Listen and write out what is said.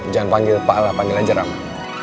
jangan panggil pak allah panggil aja rama